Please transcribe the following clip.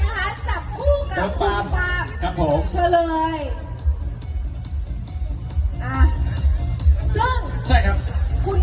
ให้ณเดชน์เลือกก่อนกับหมากเลือกก่อน